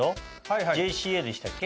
ＪＣＡでしたっけ？